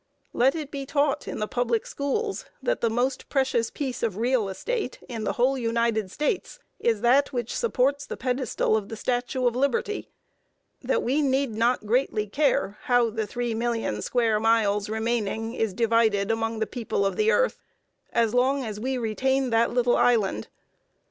Let it be taught in the public schools that the most precious piece of real estate in the whole United States is that which supports the pedestal of the Statue of Liberty; that we need not greatly care how the three million square miles remaining is divided among the people of the earth, as long as we retain that little island.